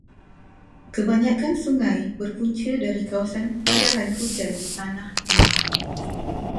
Kebanyakan sungai berpunca dari kawasan tadahan hujan di tanah tinggi.